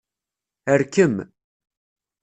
Rkem.